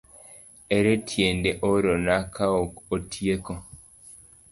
Ere tiende oorna kaok otieko.